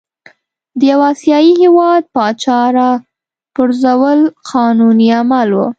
د یوه آسیايي هیواد پاچا را پرزول قانوني عمل وو.